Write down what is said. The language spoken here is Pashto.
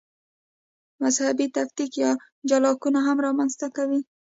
مذهبي تفکیک یا جلاکونه هم رامنځته کوي.